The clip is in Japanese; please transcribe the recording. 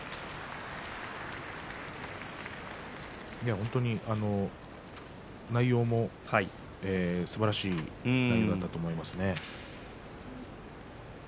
本当に内容もすばらしい内容だったと思いますね。